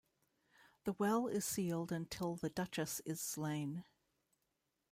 The well is sealed until the Duchess is slain.